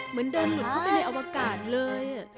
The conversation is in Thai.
เหมือนเดินหลุดเข้าไปในอวกาศเลย